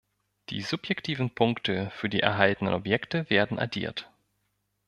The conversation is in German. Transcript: Die subjektiven Punkte für die erhaltenen Objekte werden addiert.